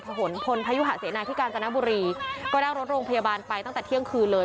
ผลพลพยุหะเสนาที่กาญจนบุรีก็นั่งรถโรงพยาบาลไปตั้งแต่เที่ยงคืนเลย